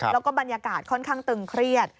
แล้วก็บรรยากาศค่อนข้างตึงเครียด